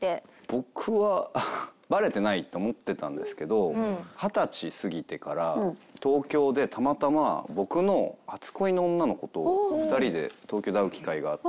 僕はバレてないって思ってたんですけど二十歳過ぎてから東京でたまたま僕の初恋の女の子と２人で東京で会う機会があって。